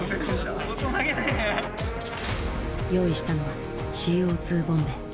用意したのはＣＯ２ボンベ。